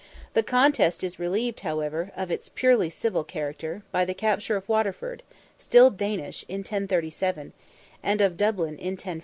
The contest, is relieved, however, of its purely civil character, by the capture of Waterford, still Danish, in 1037, and of Dublin, in 1051.